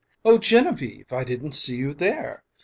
"Oh, Genevieve, I didn't see you there!